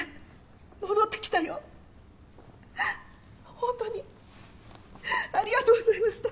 ほんとにありがとうございました。